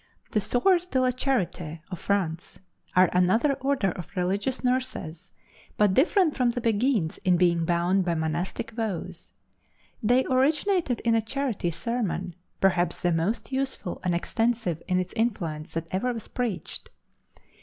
The Soeurs de la Charite, of France, are another order of religious nurses, but different from the Beguines in being bound by monastic vows. They originated in a charity sermon, perhaps the most useful and extensive in its influence that ever was preached.